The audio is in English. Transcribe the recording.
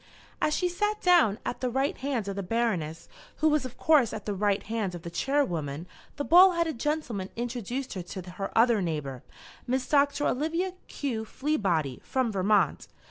As she sat down, at the right hand of the Baroness, who was of course at the right hand of the Chairwoman, the bald headed gentleman introduced her to her other neighbour, Miss Doctor Olivia Q. Fleabody, from Vermont.